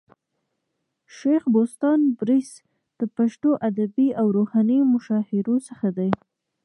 شېخ بُستان بړیڅ د پښتو ادبي او روحاني مشاهيرو څخه دئ.